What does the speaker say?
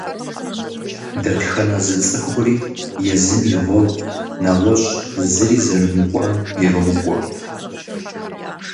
Дэтхэнэ зы зы цӏыхури езым и гъуэгу, нэгъуэщӀ зыри зэрымыкӀуам, ирокӀуэ.